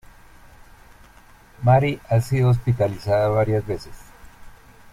Mary ha sido hospitalizada varias veces.